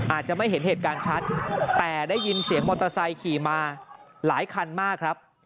อาจจะไม่เห็นเหตุการณ์ชัดแต่ได้ยินเสียงมอเตอร์ไซค์ขี่มาหลายคันมากครับ